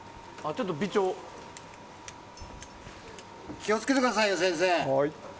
気を付けてくださいね、先生。